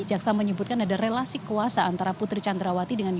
jaksa menyebutkan ada relasi kuasa antara putri chandrawati dan putri chandrawati